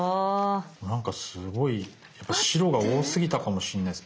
なんかすごいやっぱ白が多すぎたかもしんないです。